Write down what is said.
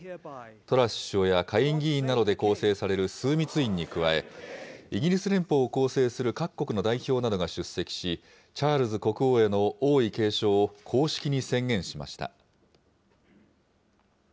トラス首相や下院議員などで構成される枢密院に加え、イギリス連邦を構成する各国の代表などが出席し、チャールズ国王への王位継承を公式に宣言しました。